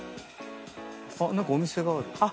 何かお店がある。